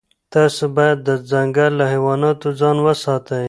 تاسي باید د ځنګل له حیواناتو ځان وساتئ.